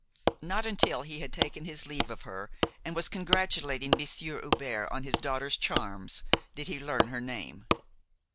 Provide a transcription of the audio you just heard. Not until he had taken his leave of her and was congratulating Monsieur Hubert on his daughter's charms, did he learn her name.